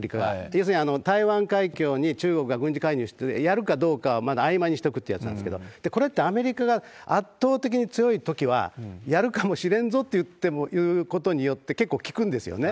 要するに台湾海峡に中国が軍事介入して、やるかどうかはまだあいまいにしとくってやつなんですけど、これってアメリカが圧倒的に強いときは、やるかもしれんぞっていうことによって、結構効くんですよね。